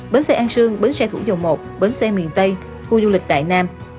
bến xe an sương bến xe thủ dầu một bến xe miền tây khu du lịch đại nam